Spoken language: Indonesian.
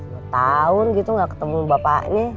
dua tahun gitu gak ketemu bapaknya